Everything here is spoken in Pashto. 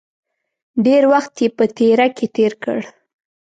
ډېر وخت یې په تیراه کې تېر کړ.